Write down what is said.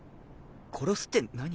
殺すって何？